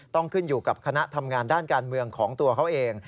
ต้องขึ้นอยู่กับคณะทำงานด้านการเมืองของตัวเขาเอง